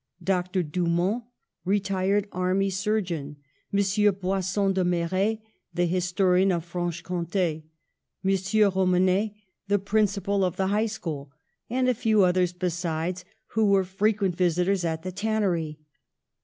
Dr. Dumont, retired army surgeon ; M. Bousson de Mairet, the historian of Franche Comte ; M. Romanet, the principal of the high school, and a few others besides who were fre quent visitors at the tannery.